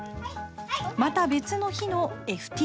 また別の日のＦＴ。